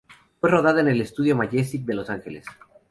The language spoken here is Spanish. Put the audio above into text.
Fue rodada en el estudio Majestic de Los Ángeles.